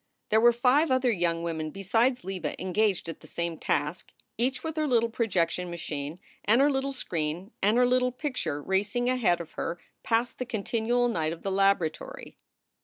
There were five other young women besides Leva engaged at the same task, each with her little projection machine and her little screen and her little picture racing ahead of her past the continual night of the laboratory.